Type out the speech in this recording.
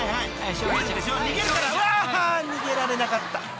逃げられなかった］